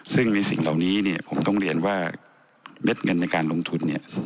ซึ่งในสิ่งเหล่านี้เนี่ยผมต้องเรียนว่าเม็ดเงินในการลงทุนเนี่ย